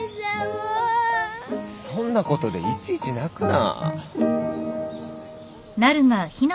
そんなことでいちいち泣くな。